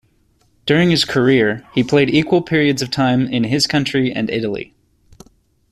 During his career, he played equal periods of time in his country and Italy.